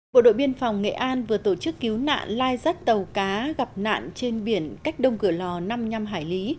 bộ đội biên phòng nghệ an vừa tổ chức cứu nạn lai rắt tàu cá gặp nạn trên biển cách đông cửa lò năm mươi năm hải lý